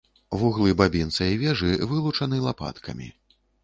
Вуглы бабінца і вежы вылучаны лапаткамі.